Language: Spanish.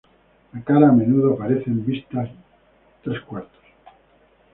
La cara a menudo aparece en vista tres cuartos.